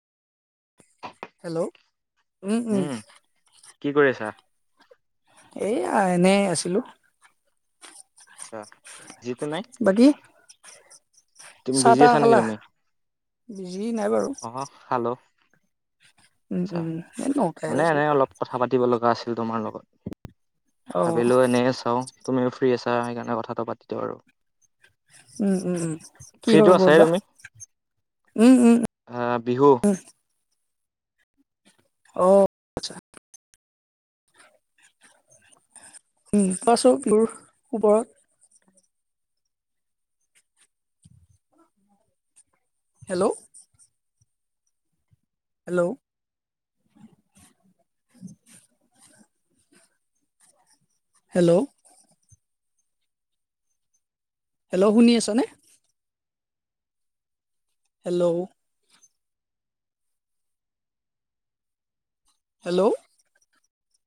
Hello. উম। কি কৰি আছা? এইয়া এনেই আছিলো। আৰ্টচ্ছা। বিজিটো নাই? তুমি বিজি চাহ-তাহ আছা নেকি খালা? তুমি বিজি নাই বাৰু। অ খালো উম আচ্ছা উম এই ন মানে এনেই অলপ কথা পাতিব লগা আছিল তোমাৰ লগত অ ভাবিলো এনেই চাওঁ তুমিও ফ্ৰী আছা সেইকাৰণে কথাটো পাতি দিওঁ আৰু। উম উম উম। কি ফ্ৰীটো হ'ল ক'ত আছাই বা? তুমি উম উম উম আহ বিহু উম। অ আতচ্ছা। উম কোৱাচোন [unintelligible] ওপৰত। হেল্ল'। হেল্ল'। [inaudible] হেল্ল' হেল্ল শুনি আছ নে? হেল্ল। হেল্ল।